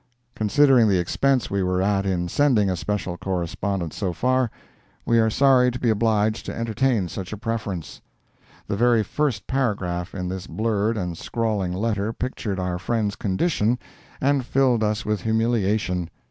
Considering the expense we were at in sending a special correspondent so far, we are sorry to be obliged to entertain such a preference. The very first paragraph in this blurred and scrawling letter pictured our friend's condition, and filled us with humiliation.